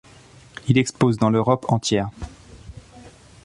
Il expose dans l’Europe entière.